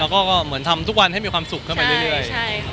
ก็เหมือนทำทุกวันให้มีความสุขเข้าไปเรื่อย